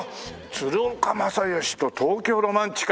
鶴岡雅義と東京ロマンチカ。